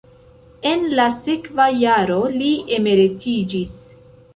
En la sekva jaro li emeritiĝis.